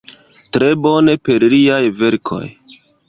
Tre bone, per liaj verkoj.